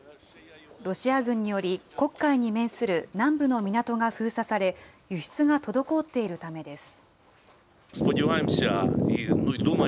ロシア軍により、黒海に面する南部の港が封鎖され、輸出が滞っているためです。